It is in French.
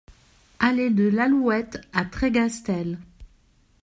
Allée de l'Alouette à Trégastel